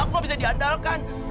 aku gak bisa diandalkan